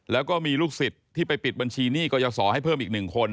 แล้วก็มีลูกศิษย์ที่ไปปิดบัญชีหนี้กรยาศรให้เพิ่มอีก๑คน